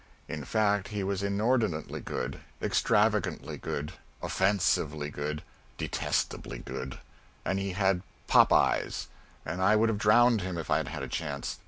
In fact, he was inordinately good, extravagantly good, offensively good, detestably good and he had pop eyes and I would have drowned him if I had had a chance.